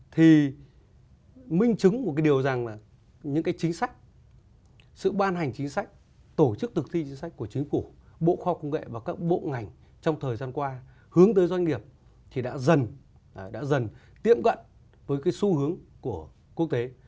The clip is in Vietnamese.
thì minh chứng một cái điều rằng là những cái chính sách sự ban hành chính sách tổ chức thực thi chính sách của chính phủ bộ khoa công nghệ và các bộ ngành trong thời gian qua hướng tới doanh nghiệp thì đã dần đã dần tiệm cận với cái xu hướng của quốc tế